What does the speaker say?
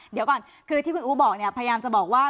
เดี๋ยวก่อนคือที่คุณอู๋บอกเนี่ยพยายามจะบอกว่า